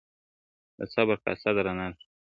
د صبر کاسه درنه ده -